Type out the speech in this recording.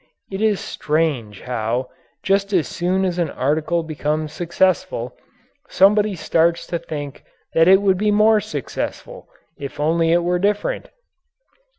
It is strange how, just as soon as an article becomes successful, somebody starts to think that it would be more successful if only it were different.